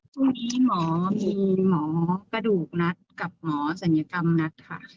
พรุ่งนี้หมอมีหมอกระดูกนัดกับหมอศัลยกรรมนัดค่ะ